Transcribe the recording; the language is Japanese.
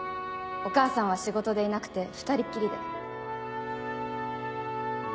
お母さんは仕事でいなくて２人っきりで。